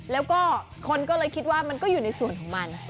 แล้วก็คนก็เลยคิดว่ามันก็อยู่ในส่วนของมัน